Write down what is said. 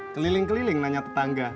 keliling keliling nanya tetangga